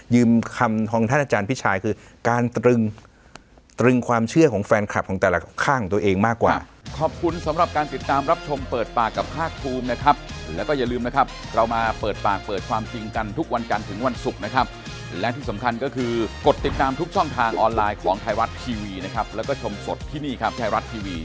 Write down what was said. คำของท่านอาจารย์พี่ชายคือการตรึงตรึงความเชื่อของแฟนคลับของแต่ละข้างของตัวเองมากกว่า